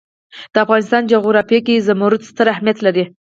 د افغانستان جغرافیه کې زمرد ستر اهمیت لري.